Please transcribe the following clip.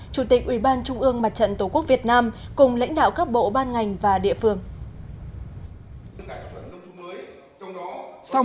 chủ tịch ủy ban trung ương mặt trận tổ quốc việt nam cùng lãnh đạo các bộ ban ngành và địa phương